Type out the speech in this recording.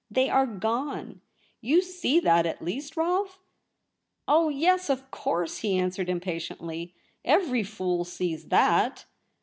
They are gone. You see that, at least, Rolfe ?'' Oh yes, of course !' he answered im patiently. ' Every fool sees that.'